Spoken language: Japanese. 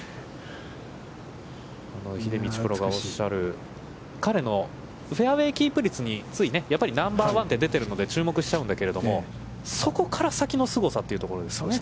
秀道プロがおっしゃる、彼のフェアウェイキープ率につい、ナンバーワンと出てるので注目しちゃうんだけれども、そこから先のすごさというところですよね。